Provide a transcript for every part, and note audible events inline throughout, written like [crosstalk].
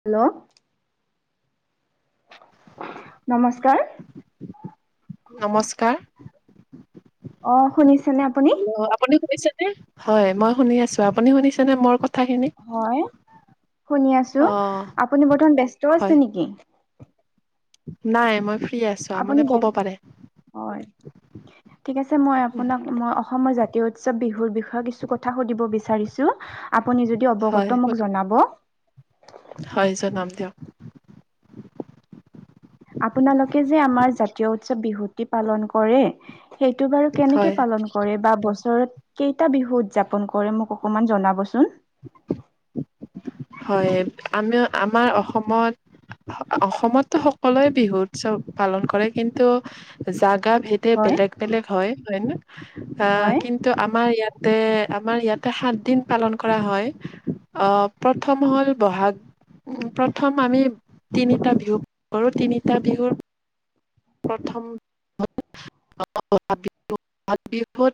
Hello নমস্কাৰ নমস্কাৰ অ শুনিছো? আপুনি শুনিছে হয়। মই শুনি আছো আপুনি শুনিছে নে মোৰ কথা। হয় শুনি আছো অ আপুনি বৰ্তমান ব্যস্ত আছে হয় নেকি? নাই মই আছো মানে আপুনি ব ক'ব পাৰে হয় ঠিক আছে মই আপোনাক মই অসমৰ জাতি উৎৱ বিহুৰ বিষয়ে কিছু কথা সুধিব বিচাৰি- আপুনি যদি অৱগত মোক জনাব- হাইছা নাম দিয়। আপোনালোকে যে আমাৰ জাতীয় উৎসৱ বিহুটতি পালন কৰে। সেইটো বাৰু কেনেকে হয় পালন কৰে বা বছৰত- কেইটা বিহু উদযাপন কৰে মোক অকমান জনাবচোন হয় আমি আমাৰ অসমত অসমতো সকলোৱে বিহু, উৎসৱ পালন কৰে কিন্তু জাত- গ ভেদ হয় বেলেগ বেলেগ হয় হয়ে ন আহ হয় কিন্তু আমাৰ ইয়াত আমাৰ ইয়াতে সাত দিন পালন কৰা হয় আহ প্ৰথম হ'ল বহাগ, প্ৰথম আমি তিনিটা বিহু কৰোঁ তিনিটা বিহু প্ৰথম বাগ বিহু বহাগ বিহুত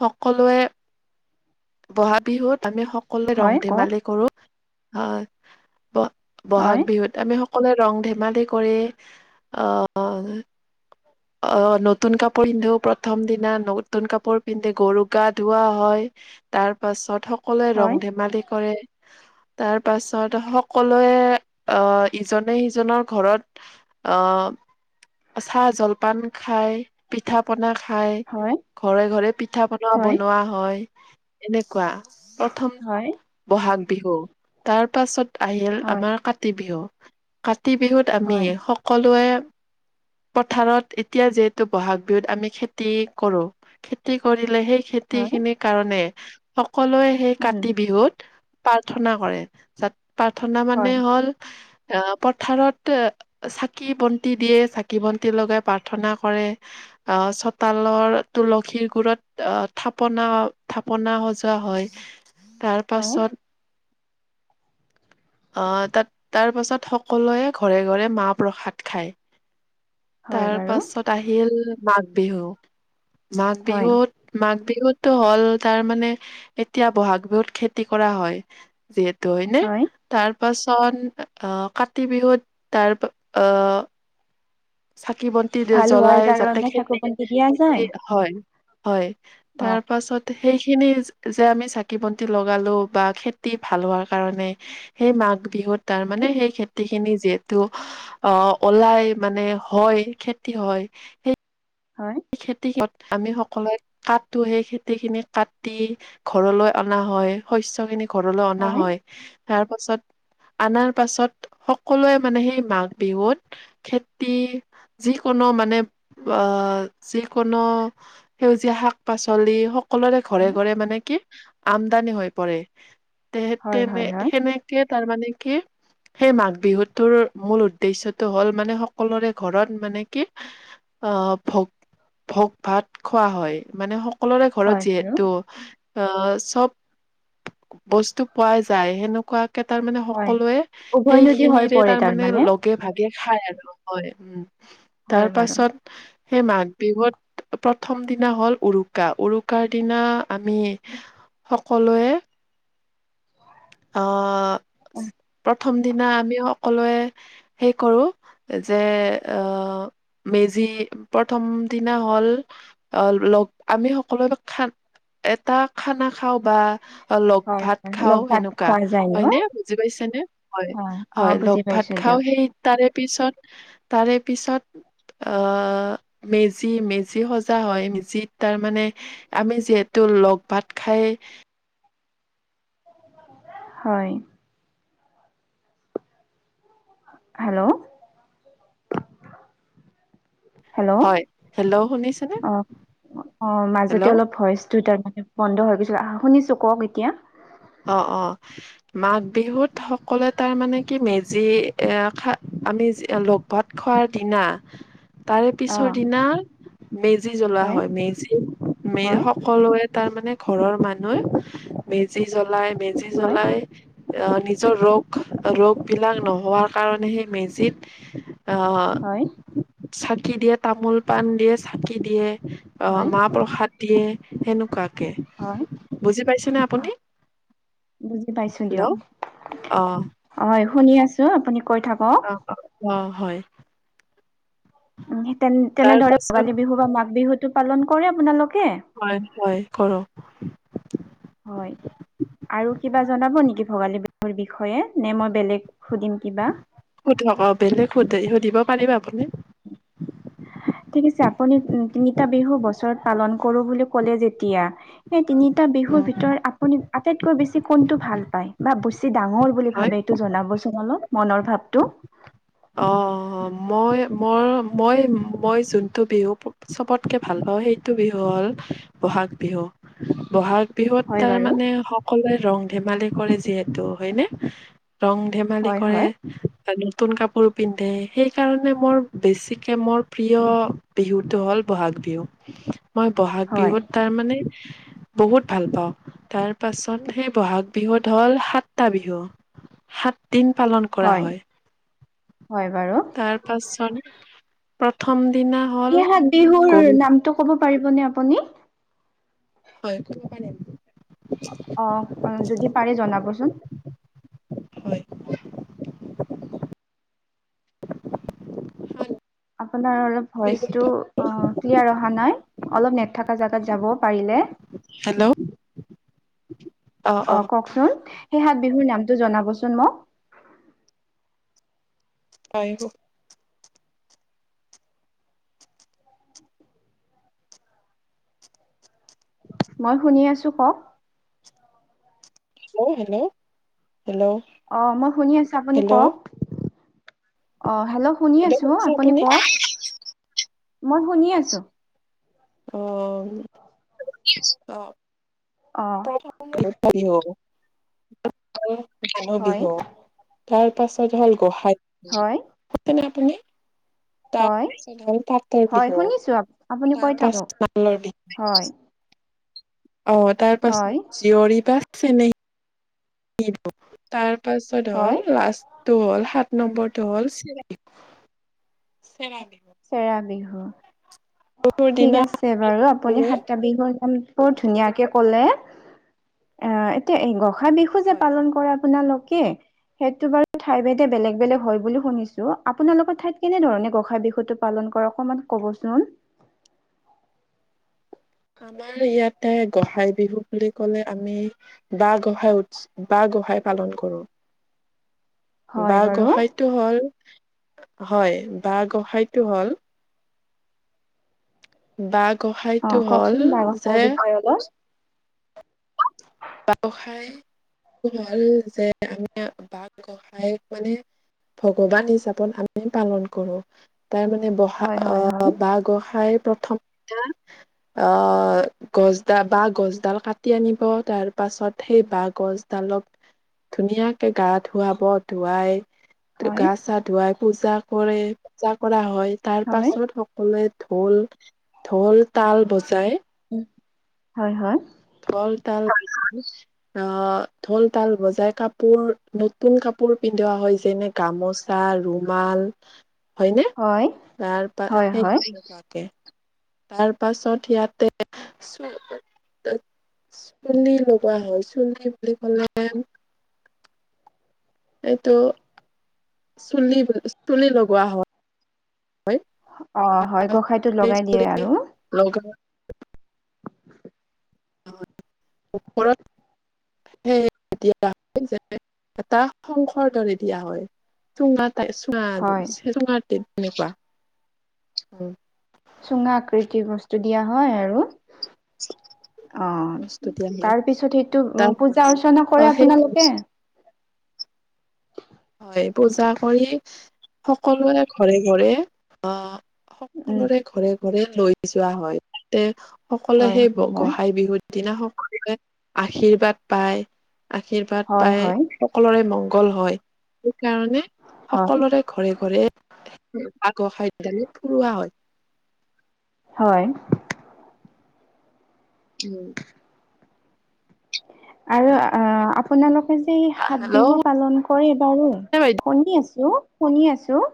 সকলোৱে বহাগ, বিহুত আমি স সকলোৱে ৰং হয় কওক ধেমালি কৰো আহ ব হয় বহাগ বিহুত আমি স- সকলে ৰং ধেমালি কৰি আহ- অ নতুন কাপোৰ পিন্ধোও প্ৰথম দিনা নতুন কাপোৰ পিন্ধে গৰু গা ধুৱা হয়। তাৰ পাছত সকলোৱে হয় ৰং ধেমালি কৰে [inaudible] তাৰ পাছত সকলোৱে আহ ইজনে সিজনৰ ঘৰত আহ [inaudible] চাহ জল পান খায় পিঠা পনা খাই হয় ঘৰে ঘৰে পিঠা পনা হয় বনোৱা হয়। এনেকুৱা প্ৰথম হয় হয় বহাগ বিহু তাৰ পাছত আহিল হয় আমাৰ কাতি বিহু কাতি বিহুত আমি হয়, সকলোৱে পথাৰত এতিয়া যিহেতু বহাগ বিহুত আমি খেতি কৰো খেতি কৰি। সেই খেতি হয়, খিনিৰ কাৰণে সকলোৱে সেই উম, কাতি বিহুত প্ৰাৰ্থনা কৰে তাত প্ৰাৰ্থনা মানে হয়, হ'ল- অ পথাৰত চাকি, বন্তি দিয়ে চাকি বন্তি লগাই প প্ৰাৰ্থনা কৰে আহ চোতালৰ তুলসীৰ, গুত থাপনা পোনা সজোৱা হয় তাৰ হয়, পাছত [inaudible] আহ তাত তাৰ পাছত সকলোৱে ঘৰে ঘৰে মাহ প্ৰসাদ খায়। হয় হয়। তাৰপাছত আহিল মাঘ, বিহু মাঘ হয়, বিহুত মাঘ বিহুত তটো হ'ল তাৰ মানে এতিয়া বহাগ বিহুত খেতি কৰা হয় যিহেতু হয় নে? তাৰ তাৰ পিছত আহ কাতি বিহুত তাৰ আহ চাকি খেতি ভাল হোৱাৰ জ্বলাই যাতে কাৰণে চাকু বন্তি দিয়া খেতি যায়, হয় হয় অ', তাৰ পাছত সেইখিনি যে আমি চাকি বন্তি লগালোঁ বা খেতি ভাল হোৱাৰ কাৰণে সেই মাক বিহুত তাৰ মানে হয়, সেই খেতি খিনি যিহেতু অ ওলাই মানে হয় খ হয় হয়, সেই খেতি আমি সকলোৱে কাটো সেই খেতি খিনি কাটি ঘৰলৈ অনা হয় শস্যৰ খিনি। ঘৰলৈ অনা হয়, তাৰ পাছত অনাৰ পাছত সকলোৱে মানে সেই মাঘ বিহুত খেতি যিকোনো মানে অ- যিকোনো সেউজীয়া শাক পাচলি সকলোৰে ঘৰে ঘৰে মানে কি আমদানি হৈ পৰে তে হয়, তেনে হয়, হয়, সেনেকে তাৰমানে কি সেই মাঘ বিহুটোৰ মূল উদ্দেশ্যটো হ'ল মানে, সকলোৰে ঘৰত মানে কি আহ ভোগ ভোগ ভাত খোৱা হয় মানে সকলোৰে ঘৰত হয় বাৰু, যিহেতু, আহ চব বস্তু পোৱা যায় সেনেকুৱা, তাৰ মানে হয়, সকলোৱে উভয় সেই নদী হৈ খিনিৰে পৰে তাৰ মানে তাৰমানে, লগে ভাগে খায় আৰু হয় উম। হয় তাৰ বাৰু। পাছত সেই মাক বিহুত প্ৰথম দিনা হ'ল উৰুকা উৰুকাৰ দিনা আমি সকলোৱে [inaudible] অ উম, প্ৰথম দিনা আমি সকলোৱে হে কৰো যে অ মেজি প্ৰথম দিনা হ'ল আহ লগ আমি সকলোৱে খ এটা খানা খাও বা অ লগ হয়, ভাত হয়, খাও লগ ভাত সেনেকুৱা খোৱা যায় ন, হয় নে? বুজি পাইছে নে? হয়। অ', হয় বুজি লগ ভাত পাইছো খাও দিয়ক, সেই তাৰে পিছত তাৰে, পিছত অ মে যি মেজি সজা হয় মেজিত তাৰমানানে আমি যিহেতু লগ ভাত খাই হয়। হেল্ল' হেল্ল' হয় হেল্ল' শুনিছেনে অ অ হেল্ল' মাজতে অলপ ভইচ দুইটাৰ মতে বন্ধ হৈ গৈছিল আহ শুনিছো কওক এতিয়া। অ অ মাঘ বিহুত সকলোৱে তাৰ মানে কি মেজি এ খ আমি লগ ভাত খোৱাৰ দিনা তাৰে পিছৰ অ', দিনা মেজি জ্বলোৱা হয় মেজি ম হয়, সকলোৱে তাৰ মানে ঘৰৰ মানুহ মেজি জ্বলাই মেজি হয়, জ্বলাই আহ নিজৰ ৰোগ ৰোগ বিলাক নহোৱাৰ কাৰণে সেই মেজিত আহ হয়, চাকি দিয়ে তামোল পাণ দিয়ে চাকি দিয়ে অ হয়। মাহ প্ৰসাদ দিয়ে, সেনেকুৱাকে। হয় বুজি পাইছেনে আপুনি? বুজি পাইছো হেল্ল' দিয়ক অ অ শুনি আছো আপুনি কৈ থাকক অ অ অ হয়। উ তে তাৰ তেনেদৰে পাছত ভোগালী বিহু বা মাঘ বিহুতটো পালন কৰে আপোনালোক হয় হয় কৰো। হয় আৰু কিবা জনাব নেকি ভোগালী বিহুৰ বিষয়ে? নে মই বেলেগ সুধিম কিবা সুধক অ বেলেগ সুধ সুধিব পাৰিব আপুনি। [inaudible] ঠিক আছে আপুনি তিনিটা বিহু বছৰত পালন কৰো বুলি কলে যেতিয়া সেই তিনিটা বিহুৰ উম, উম। ভিতৰত আপুনি আটাইতকৈ বেছি কোনটো ভাল পায়? বা ডাঙৰ বুলি হয়, ভাবে এইটো জনাবচোন অল মনৰ ভাৱটো অঁ। মই মই মই মই যোনটো বিহু চবতকৈ ভাল পাওঁ সেইটো বিহু। হ'ল বহাগ বিহু বহাগ। বিহুত হয় তাৰ বাৰু মানে সকলোৱে ৰং ধেমালি কৰে যিহেতু হয়নে। ৰং ধেমালি হয় কৰে হয় বা নতুন কাপোৰ। সৰু পিন্ধে সেইকাৰণে মোৰ বেছিকৈ মোৰ প্ৰিয় বিহুটো হ'ল বহাগ বিহু। মই বহাগ হয় বিহুত তাৰ মানে। [inaudible] বহুত ভাল পাওঁ তাৰ পাছত সেই বহাগ বিহুত হ'ল সাতটা বিহু। সাতদিন পালন কৰা হয়। হয় বাৰু তাৰ পাছত প্ৰথম। দিনা হ'ল হাত বিহুৰ গৰু নামটো ক'ব পাৰিবনে আপুনি। হয় কব নে? আঁহ আঁহ যদি পাৰে জনাবচোন। হয় আপোনাৰ অলপ ভইচটো। ক্লিয়াৰ অহা নাই অলপ নেট থকা জাগাত যাব পাৰিলে। হেল্ল' অ অঁ অ কওঁকচোন সেই সাত বিহুৰ নামটো জনাবচোন মোক। আহিব। মই শুনি আছো কওঁক। Hello hello. হেল্ল' অঁ মই শুনি আছো আপুনি হেল্ল' কওঁক। অঁ হেল্ল' শুনি আছো আপুনি কওঁক মই শুনি আছো। আঁহ আঁহ। অ' ত বিহু হয়, বিহু। তাৰ পাছত হ'ল হয়, গোহাইছেনে আপুনি হয়, তাৰপাছত নল পাতৰ হয় বিহু শুনিছো আপুনি কৈ তাৰ থাকক। পাছত মালৰ বিহু [inaudible] অঁ তাৰ পাছত হয়, জীয়ৰী বা চনেহি। তাৰ পাছত হয় লাষ্টটো হ'ল সাত। নম্বৰটো হ'ল চৰা চেৰা। চেৰা বিহু। বিহুৰ ঠিক দিনা আছে বাৰু আপুনি সকলোৱে সাতটা বিহুৰ নাম বৰ ধুনীয়াকে কলে আহ এতিয়া এই গঁসা বিহু যে হয় পালন কৰে আপোনালকে। সেইটো বাৰু ঠাই ভেদে বেলেগ বেলেগ হয় বুলি শুনিছো আপোনালোকৰ ঠাইত কেনেধৰণে গোসাই বিহুতো পালন কৰ অকণমান কবচোন। আমাৰ ইয়াতে গোঁসাই বিহু বুলি কলে আমি ব গোঁসাঁই উৎস বা। গোসাঁই পালন কৰো। হয় বাঁহ বাৰু গোঁসাইটো হ'ল হয় বাঁহ গোসাঁইটো হ'ল। বা অ গোসাঁইটো হল কওকচোন বাৰসৰ যে বিষয়ে অলপ ব্যৱসায় হল যে আমি বাঘ গোহাঁইয়ে মানে ভগৱান হিচাপত আমি পালন কৰো। তাৰ মানে বহা হয় হয় হয় অঁ বাঁহ গোসাঁই প্ৰথম অঁ গছডাল বা গছডাল কাটি আনিব তাৰ পাছত সেই বাঁহ গছডালক ধুনীয়া। গা ধুৱাব, ধুৱাই হয় গা চা ধুৱাই পূজা কৰে। পূজা কৰা হয়। তাৰ হয় পাছত সকলোৱে ঢোল ঢোল তাল বজাই। উম হয় হয়। ঢোল, তাল আঁহ ঢোল তাল বজাই কাপোৰ নতুন কাপোৰ। কাপোৰ পিন্ধোৱা হয় যেনে গামোচা ৰুমাল হয়নে হয় তাৰপ হয় হয় সেই তাৰ পাছত ইয়াতে চুলি লগোৱা হয় চুলি বুলি কলে এইটো চুলি চুলি লগোৱা হয়। অ হয় গোঁসাইটোত লগাই দিয়ে আৰু [unintelligible] [inaudible] এতিয়া হয় যে এটা শংখৰ দৰে দিয়া হয় চুঙাত। ত চুঙা হয় চুঙা তেনেকুৱা উ চুঙা আকৃতিৰ বস্তু দিয়া হয় আৰু। অ বস্তু দিয়া হয়। তাৰ পিছত সেইটো তাৰ পূজা অৰ্চনা কৰে সেই আপোনালোকে। হয় পূজা কৰি সকলোৰে ঘৰে ঘৰে আহ। উম সকলোৰে ঘৰে ঘৰে লৈ যোৱা হয় তে সকলোৱে হয় সেই হয় গোঁসাঁই বিহুত। দিনা সকলোৱে আশীৰ্বাদ পায় আশীৰ্বাদ হয় পাই হয় সকলোৰে মং। গল হয় সেইকাৰণে হয় সকলোৰে ঘৰে ঘৰে। আগৰ সান পুৰৱা হয়। হয়। উম। আৰু অ আপোনালোক। যে এই সাত হেল্ল' বিহু পালন কৰে বাৰু শুনিছে বাইদেউ শুনি আছো শুনি আছো।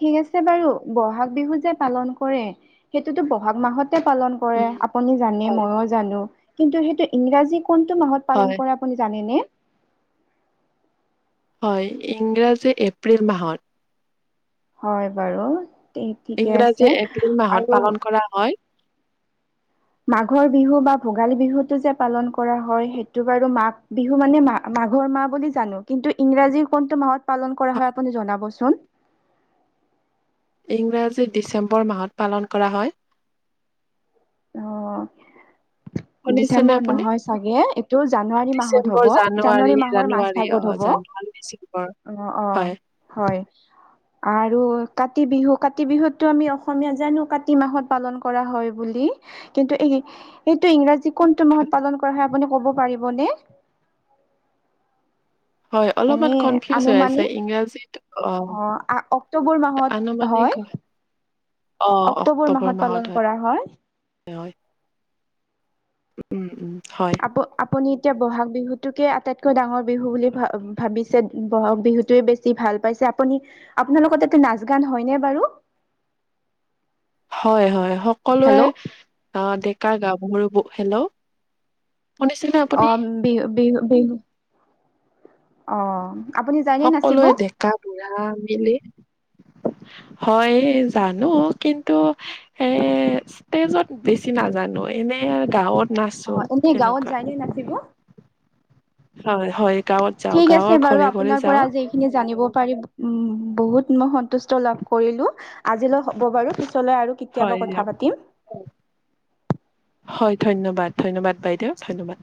ঠিক আছে বাৰু বহাগ বিহু যে পালন কৰে সেইটোতো বহাগ মাহত। পালন কৰে উম, আপুনি জানে হয় মইও জানো কিন্তু সেইটো ইংৰাজী। কোনটো মাহত পালন হয় কৰে আপুনি জানেনে। হয় ইংৰাজী এপ্ৰিল মাহত। হয় বাৰু ঠিকে ইংৰাজী আছে এপ্ৰিল মাহত আৰু। পালন কৰা হয় মাঘৰ বিহু বা ভোগালী বিহুতো যে পালন কৰা হয় সেইটো বাৰু মাঘ বিহু মানে মা। মাঘৰ মাহ বুলি জানো। কিন্তু ইংৰাজী কোনটো মাহত পালন কৰা হয়। আপুনি জনাবচোন! ইংৰাজী ডিচেম্বৰ মাহত পালন কৰা হয়। অ। শুনিছেনে ডিচেম্বৰ আপুনি নহয় চাগে এইটো জানুৱাৰী মাহত ডিচেম্বৰ, হব জানুৱাৰী মাহৰ মাজ জানুৱাৰী অ' ভাগত হ'ব। [unintelligible] অ অ হয়, হয়। আৰু কাতি বিহু কাতি বিহুতটো আমি অসমীয়া জানো কাতি মাহত পালন কৰা হয় বুলি। কিন্তু এই এইটো ইংৰাজী কোনটো মাহত পালন কৰা হয় আপুনি। ক'ব পাৰিবনে। হয় অলপ এনে আনুমানিক অ অক্টোবৰ মাহত আন হয় মানান ক। অ অক্টোবৰ মাহত হয়। হয় উম উম। হয়। আপুনি। আপুনি এতিয়া বহাগ বিহুটোকে আটাইতকৈ ডাঙৰ বিহু বুলি ভ ভাবিছে বহাগ বিহুটোৱে বেছি ভাল। ভাল পাইছে আপুনি আপোনাৰ লগত এইটো নাচ গান হয়নে বাৰু। হয় হয় সকলোৱে হেল্ল' ডেকা গাভৰু হেল্ল'। শুনিছেনে অ আপুনি? বিহ বিহু বিহু। অ। আপুনি যায়নে নাচিব? সকলোৱে ডেকা বুঢ়া মিলি। [unintelligible] হয় জানো কিন্তু এ ষ্টেজত বেছি নাজানো। এনে আৰু গাঁৱত অ নাচো এনেই গাঁৱত এনেকুৱা। যায়নে নাচিব? যাওঁ ঠিক আছে গাঁৱৰ বাৰু ঘৰে ঘৰে আপোনাৰ যাওঁ পৰা আজি এইখিনি জানিব পাৰিম। উম বহুত মই সন্তুষ্ট লাভ কৰিলো আজিলৈ হ'ব বাৰু পিছ চলে আৰু কেতিয়াবা হয় কথা পাতিম। হয় ধন্যবাদ ধন্যবাদ বাইদেউ ধন্যবাদ।